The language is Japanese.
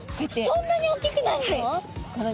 そんなにおっきくなるの？